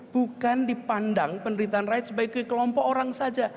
bukan dipandang penderitaan rakyat sebagai kelompok orang saja